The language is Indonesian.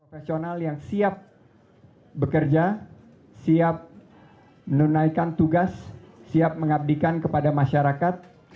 profesional yang siap bekerja siap menunaikan tugas siap mengabdikan kepada masyarakat